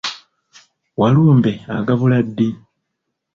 Walumbe agabula ddi?